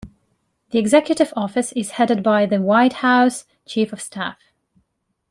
The Executive Office is headed by the White House Chief of Staff.